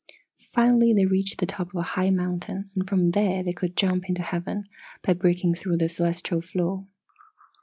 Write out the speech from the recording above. "Finally they reached the top of a high mountain and from there they could jump into heaven, by breaking through the celestial floor.